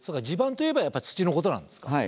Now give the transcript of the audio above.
地盤といえばやっぱ土のことなんですか。